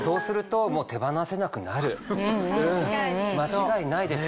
間違いないです。